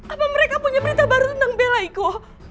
apa mereka punya berita baru tentang bella igo